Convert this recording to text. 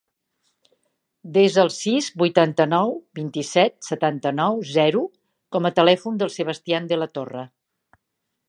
Desa el sis, vuitanta-nou, vint-i-set, setanta-nou, zero com a telèfon del Sebastian De La Torre.